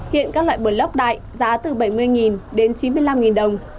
hiện các loại bờ lốc đại giá từ bảy mươi chín mươi năm đồng